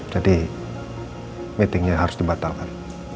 jadi meetingnya harus dibatalkan